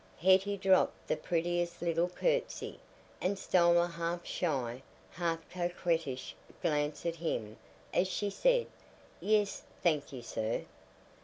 Hetty dropped the prettiest little curtsy, and stole a half shy, half coquettish glance at him as she said, "Yes, thank you, sir."